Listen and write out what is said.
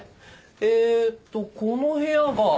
えーっとこの部屋が。